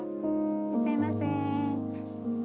いらっしゃいませ。